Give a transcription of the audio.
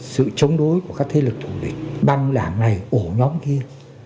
sự chống đối của các thế lực thủ địch băng đảng này ổ nhóm kia